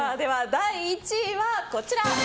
第１位は、こちら。